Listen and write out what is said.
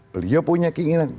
beliau punya keinginan